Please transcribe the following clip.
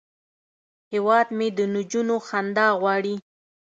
هیواد مې د نجونو خندا غواړي